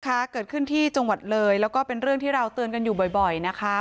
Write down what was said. เกิดขึ้นที่จังหวัดเลยแล้วก็เป็นเรื่องที่เราเตือนกันอยู่บ่อยบ่อยนะคะ